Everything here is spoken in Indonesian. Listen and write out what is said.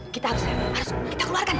kita harus harus kita keluarkan